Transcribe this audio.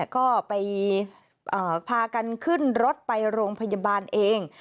ก็ไปพากันขึ้นรถไปโรงพยาบาลเอง